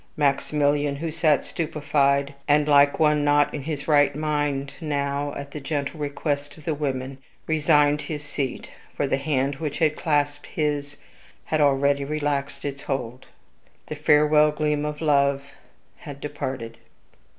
Maximilian, who sat stupefied and like one not in his right mind, now, at the gentle request of the women, resigned his seat, for the hand which had clasped his had already relaxed its hold; the farewell gleam of love had departed.